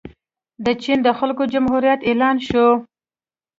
د چین د خلکو جمهوریت اعلان شو.